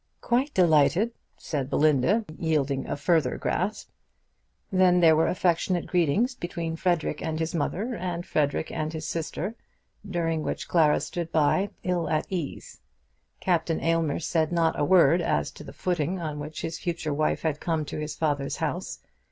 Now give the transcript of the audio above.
"Quite delighted," said Belinda, yielding a fuller grasp. Then there were affectionate greetings between Frederic and his mother and Frederic and his sister, during which Clara stood by, ill at ease. Captain Aylmer said not a word as to the footing on which his future wife had come to his father's house.